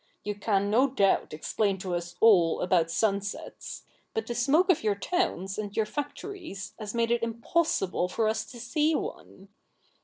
You can, no doubt, explain to us all about sun sets ; but the smoke of your towns and your factories has made it impossible for us to see one.